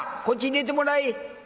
こっち入れてもらい」。